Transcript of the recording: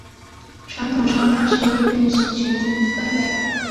传统上它是一个并系群的分类。